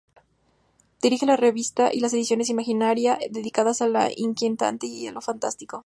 Dirige la revista y las ediciones Imaginaria, dedicadas a lo inquietante y lo fantástico.